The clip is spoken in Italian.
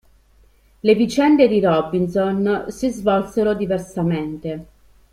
Le vicende dei "Robinson" si svolsero diversamente.